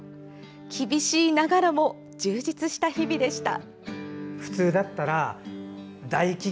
厳しいながらも充実した日々でした。